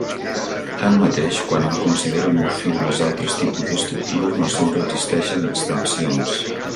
Tanmateix, quan hom considera morfismes d'altres tipus d'estructures, no sempre existeixen extensions.